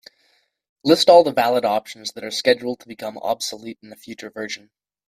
List all the valid options that are scheduled to become obsolete in a future version.